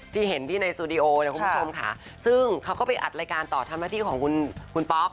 ที่เห็นที่ในสตูดิโอเนี่ยคุณผู้ชมค่ะซึ่งเขาก็ไปอัดรายการต่อทำหน้าที่ของคุณป๊อป